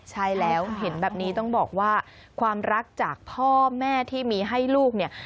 ใช่แล้วเห็นแบบนี้ต้องบอกว่าความรักจากพ่อแม่ที่มีให้ลูกเนี่ย